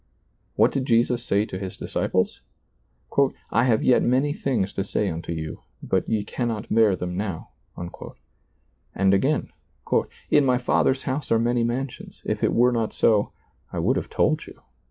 What did Jesus say to his disciples ? "I have yet many things to say unto you, but ye cannot bear them now "; and again, " In my Father's house are many mansions ; if it were not so, I would have told you."